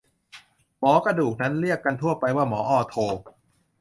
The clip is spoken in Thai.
หมอกระดูกนั้น เรียกกันทั่วไปว่าหมอออร์โถ